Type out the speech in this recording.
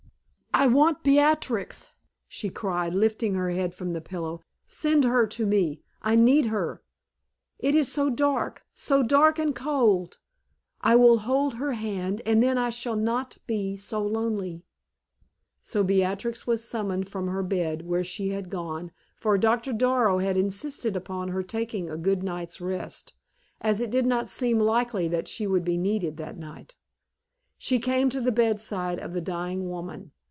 "I want Beatrix!" she cried, lifting her head from the pillow. "Send her to me; I need her. It is so dark so dark and cold! I will hold her hand, and then I shall not be so lonely." So Beatrix was summoned from her bed, where she had gone, for Doctor Darrow had insisted upon her taking a good night's rest, as it did not seem likely that she would be needed that night. She came to the bedside of the dying woman.